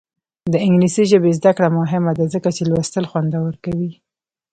د انګلیسي ژبې زده کړه مهمه ده ځکه چې لوستل خوندور کوي.